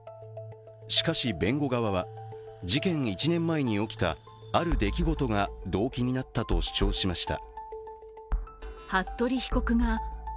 しかし、弁護側は事件１年前に起きたある出来事が動機になったと主張しました。